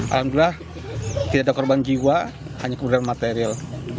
alhamdulillah tidak ada korban jiwa hanya kemudahan material